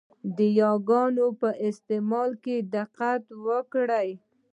د یاګانو په استعمال کې دقت وکړئ!